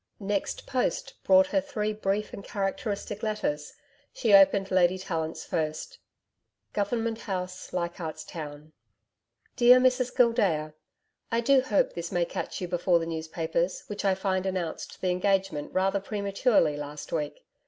Next post brought her three brief and characteristic letters. She opened Lady Tallant's first: 'Government House, Leichardt's Town. 'DEAR MRS GILDEA, I do hope this may catch you before the newspapers, which I find announced the engagement rather prematurely last week.